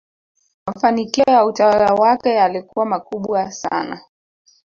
mafanikio ya utawala wake yalikuwa makubwa sana